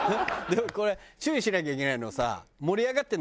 でもこれ注意しなきゃいけないのはさ。